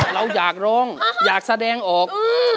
เราอยากร้องอยากแสดงออก